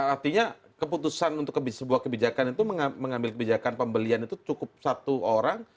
artinya keputusan untuk sebuah kebijakan itu mengambil kebijakan pembelian itu cukup satu orang